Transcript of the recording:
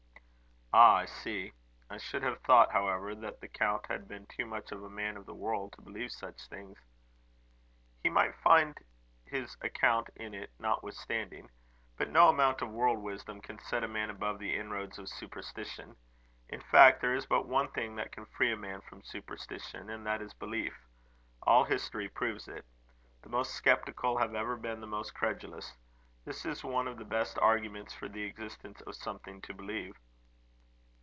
"Ah! I see. I should have thought, however, that the count had been too much of a man of the world to believe such things." "He might find his account in it, notwithstanding. But no amount of world wisdom can set a man above the inroads of superstition. In fact, there is but one thing that can free a man from superstition, and that is belief. All history proves it. The most sceptical have ever been the most credulous. This is one of the best arguments for the existence of something to believe."